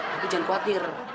tapi jangan khawatir